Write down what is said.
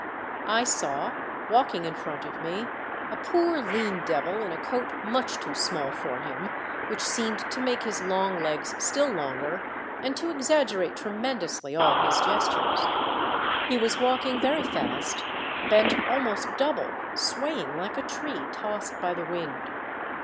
I saw, walking in front of me, a poor lean devil in a coat much too small for him, which seemed to make his long legs still longer, and to exaggerate tremendously all his gestures. He was walking very fast, bent almost double, swaying like a tree tossed by the wind.